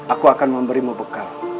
aku akan memberimu bekal